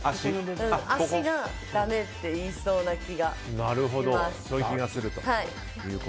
脚がだめって言いそうな気がします。